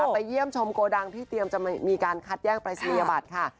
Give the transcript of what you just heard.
ไปเยี่ยมชมโกดังที่เตรียมจะมีการคัดแย่งปรายศนียบัตรค่ะ